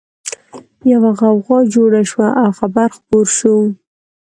يوه غوغا جوړه شوه او خبر خپور شو